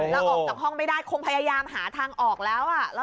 แล้วออกจากห้องไม่ได้คงพยายามหาทางออกแล้ว